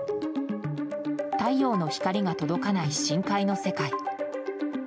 太陽の光が届かない深海の世界。